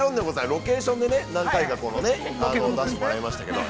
ロケーションで何回か出してもらいましたけど。